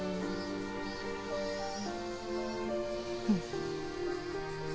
うん。